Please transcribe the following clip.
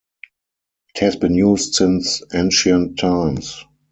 It has been used since ancient times.